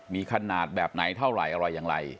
มีขนาดแบบไหนเท่าไหร่อะไรอย่างไร